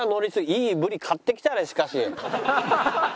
いいブリ買ってきたねしかし。